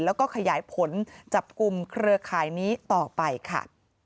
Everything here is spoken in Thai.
แล้วก็ขยายผลจับกลุ่มเครือข่ายนี้ต่อไปค่ะ